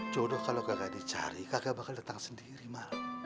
jodoh kalau gak ada yang cari gak akan datang sendiri mahal